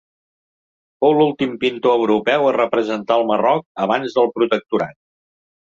Fou l'últim pintor europeu a representar el Marroc abans del Protectorat.